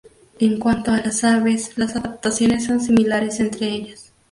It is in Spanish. En cuanto a las aves, las adaptaciones son similares entre ellas.